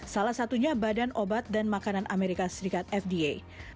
salah satunya badan obat dan makanan amerika serikat fda